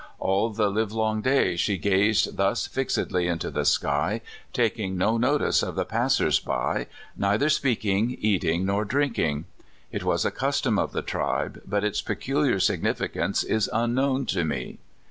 All the livelong day she gazed thus fix edly into the sky, taking no notice of the passers by, neither speaking, eating, nor drinking. It was a custom of the tribe, but its peculiar significance is unknown to me.